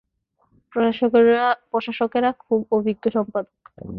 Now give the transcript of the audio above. প্রশাসকেরা খুব অভিজ্ঞ সম্পাদক।